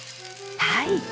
はい。